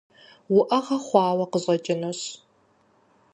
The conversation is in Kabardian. УӀэгъэ хъуауэ къыщӀэкӀынущ.